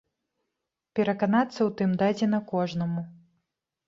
Пераканацца ў тым дадзена кожнаму.